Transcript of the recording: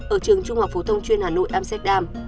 ở trường trung học phổ thông chuyên hà nội amsterdam